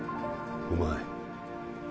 お前